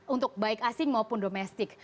untuk baik asing maupun domestik